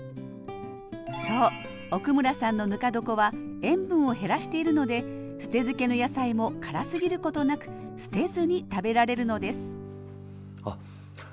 そう奥村さんのぬか床は塩分を減らしているので捨て漬けの野菜も辛すぎることなく捨てずに食べられるのですあっ